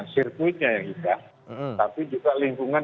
sirkuitnya yang indah tapi juga lingkungan